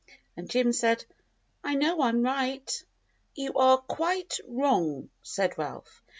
And Jim said, "I know I'm right." "You are quite wrong," said Ralph.